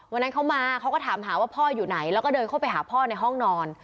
วันนั้นเขามาเขาก็ถามหาว่าพ่ออยู่ไหนแล้วก็เดินเข้าไปหาพ่อในห้องนอน